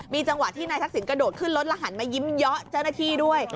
จังหวะที่นายทักษิณกระโดดขึ้นรถแล้วหันมายิ้มเยาะเจ้าหน้าที่ด้วย